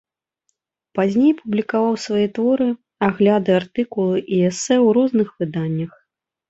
Пазней публікаваў свае творы, агляды, артыкулы і эсэ ў розных выданнях.